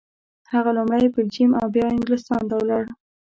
هغه لومړی بلجیم او بیا انګلستان ته ولاړ.